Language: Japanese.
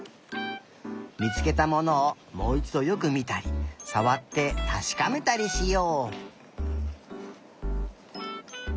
みつけたものをもういちどよくみたりさわってたしかめたりしよう。